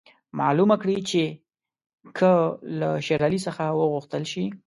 معلومه کړي چې که له شېر علي څخه وغوښتل شي.